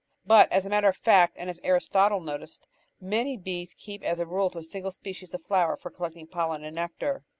But as a matter of fact, and as Aristotle noticed, many bees keep as a rule to a single species of flower for collecting pollen and nectar.